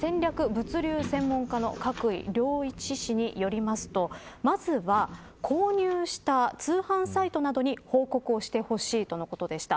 物流専門家の角井亮一氏によりますとまずは購入した通販サイトなどに報告をしてほしいとのことでした。